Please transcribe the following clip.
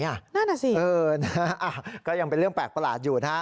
นั่นัสิรู้สึกค่อนข้างยังเป็นเรื่องแปลกประหลาดอยู่